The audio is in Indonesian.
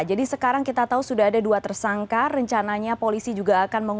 jadi sekarang kita tahu sudah ada dua tersangka rencananya polisi juga akan menanggungnya